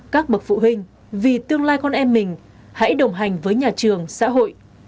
các bậc phụ huynh vì tương lai con em mình hãy đồng hành với nhà trường xã hội